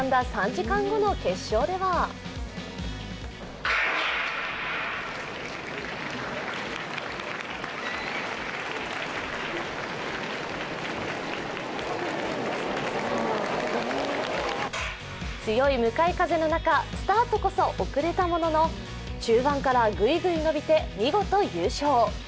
３時間後の決勝では強い向かい風の中、スタートこそ遅れたものの、中盤からぐいぐい伸びて見事優勝。